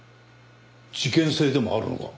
事件性でもあるのか？